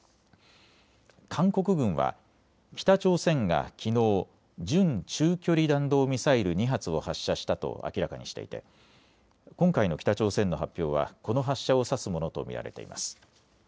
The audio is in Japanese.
韓国軍は北朝鮮がきのう準中距離弾道ミサイル２発を発射したと明らかにしていて今回の北朝鮮の発表はこの発射を指すものと見られています。